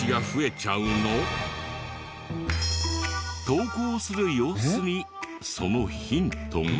登校する様子にそのヒントが。